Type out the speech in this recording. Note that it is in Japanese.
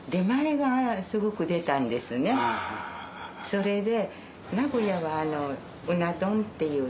それで。